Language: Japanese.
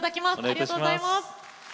ありがとうございます。